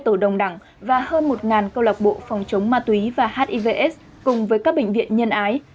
năm mươi tổ đồng đẳng và hơn một câu lạc bộ phòng chống ma túy và hiv aids cùng với các bệnh viện nhân ái